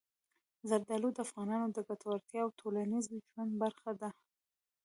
زردالو د افغانانو د ګټورتیا او ټولنیز ژوند برخه ده.